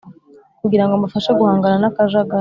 kugira ngo mbafashe guhangana n akajagari